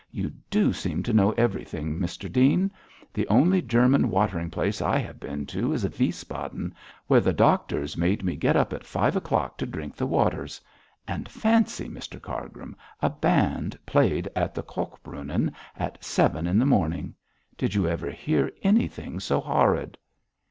'You do seem to know everything, Mr Dean. The only German watering place I have been to is Wiesbaden, where the doctors made me get up at five o'clock to drink the waters. And fancy, Mr Cargrim, a band played at the Kochbrunnen at seven in the morning. Did you ever hear anything so horrid?'